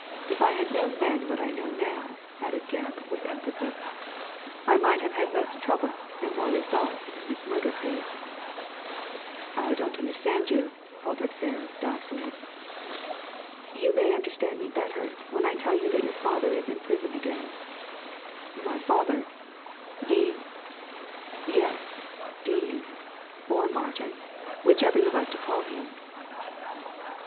If I had known then what I know now," added Gebb, with emphasis, " I might have had less trouble and more result in this murder case." " I don't understand you," faltered Ferris, doubtfully. " You may understand me better when I tell you that your father is in prison again." Q Digitized by Google 226 THE LADY FROM NOWHERE "My father? Dean?" "Yes, Dean or Martin — ^whichever you like to call him."